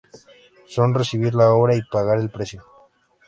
Son recibir la obra y pagar el precio.